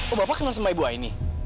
oh bapak kenal sama ibu aini